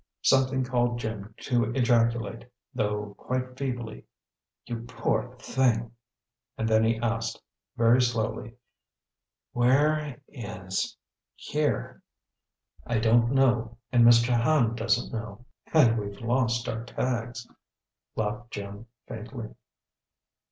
Something caused Jim to ejaculate, though quite feebly, "You poor thing!" And then he asked, very slowly, "Where is 'here'?" "I don't know; and Mr. Hand doesn't know." "And we've lost our tags," laughed Jim faintly.